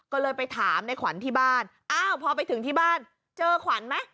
ก็เลยไปถามในขวัญที่บ้านอ้าวพอไปถึงที่บ้านเจอขวัญไหม